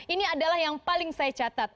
ini adalah yang paling saya catat